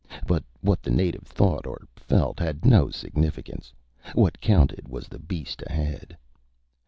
But what the native thought or felt had no significance; what counted was the beast ahead.